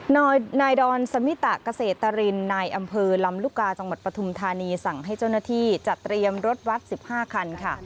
นายดอนสมิตะเกษตรกรินนายอำเภอลำลูกกาจังหวัดปฐุมธานีสั่งให้เจ้าหน้าที่จัดเตรียมรถวัด๑๕คันค่ะ